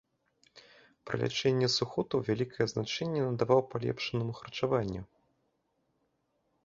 Пры лячэнні сухотаў вялікае значэнне надаваў палепшанаму харчаванню.